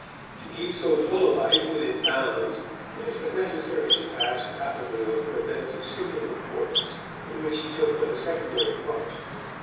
To keep so full a life within bounds it has been necessary to pass rapidly over events of signal importance in which he took but a secondary part.